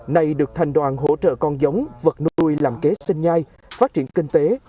này được thành đoàn hỗ trợ con giống vật nuôi làm kế sinh nhai phát triển kinh tế